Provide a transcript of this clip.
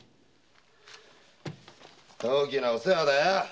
大きなお世話だよ。